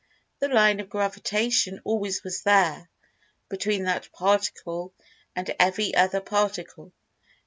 The Line of Gravitation always was there, between that Particle and every other Particle.